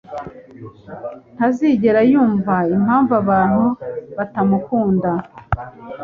ntazigera yumva impamvu abantu batamukunda.